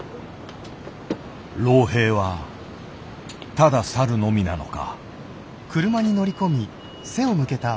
老兵はただ去るのみなのか。